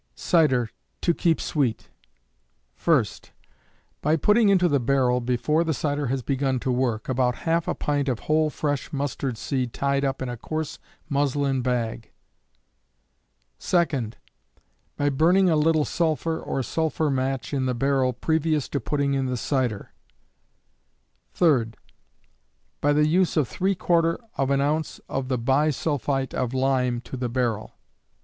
Cider To Keep Sweet. 1st. By putting into the barrel before the cider has begun to work, about half a pint of whole fresh mustard seed tied up in a coarse muslin bag. 2d. By burning a little sulphur or sulphur match in the barrel previous to putting in the cider. 3d. By the use of ¾ of an ounce of the bi sulphite of lime to the barrel.